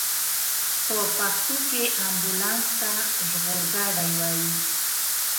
په پښتو کې امبولانس ته ژغورګاډی وايي.